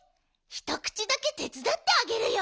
ひとくちだけてつだってあげるよ。